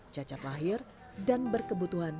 cacat lahir dan berkebutuhan